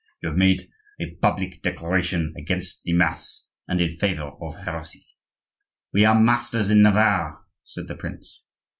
"You have made a public declaration against the Mass and in favor of heresy." "We are masters in Navarre," said the prince.